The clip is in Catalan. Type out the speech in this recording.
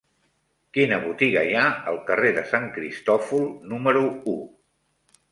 Quina botiga hi ha al carrer de Sant Cristòfol número u?